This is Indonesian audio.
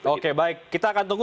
oke baik kita akan tunggu